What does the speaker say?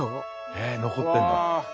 ねえ残ってんだ。